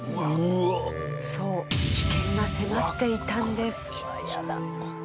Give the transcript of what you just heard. そう危険が迫っていたんです。